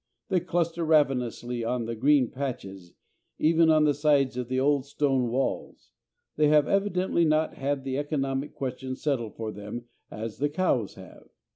They cluster ravenously on the green patches, even on the sides of the old stone walls. They have evidently not had the economic question settled for them as the cows have.